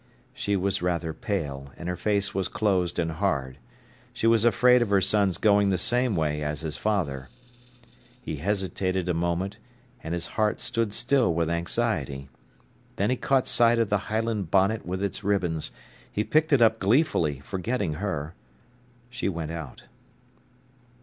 She was rather pale, and her face was closed and hard. She was afraid of her son's going the same way as his father. He hesitated a moment, and his heart stood still with anxiety. Then he caught sight of the Highland bonnet with its ribbons. He picked it up gleefully, forgetting her. She went out.